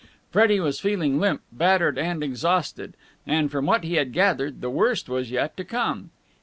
Freddie was feeling limp, battered, and exhausted: and, from what he had gathered, the worst was yet to come.